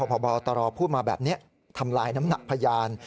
พบตรพูดมาแบบนี้ทำลายน้ำหนักพยาน